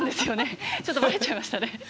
ちょっとバレちゃいましたね。